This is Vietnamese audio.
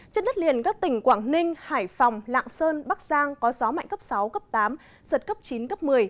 trên đất liền các tỉnh quảng ninh hải phòng lạng sơn bắc giang có gió mạnh cấp sáu cấp tám giật cấp chín cấp một mươi